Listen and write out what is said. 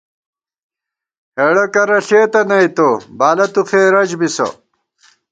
ہېڑہ کرہ ݪېتہ نئ تو ، بالہ تُو خېرَج بِسہ